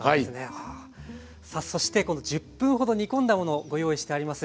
さあそしてこの１０分ほど煮込んだものをご用意してあります。